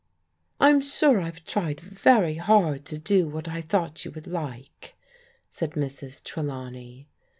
" I'm sure I've tried very hard to do what I thought you would like," said Mrs. Trelawney.